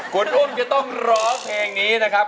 คุณอุ้มจะต้องร้องเพลงนี้นะครับ